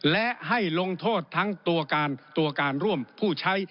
และให้ลงโทษทั้งตัวการตัวการร่วมผู้ใช้